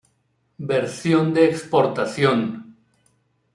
Versión de exportación.